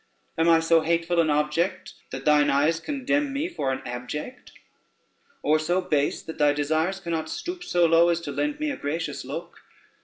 Am I so hateful an object that thine eyes condemn me for an abject? or so base, that thy desires cannot stoop so low as to lend me a gracious look?